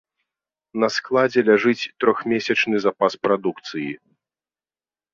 На складзе ляжыць трохмесячны запас прадукцыі.